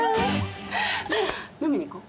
ねえ飲みに行こう。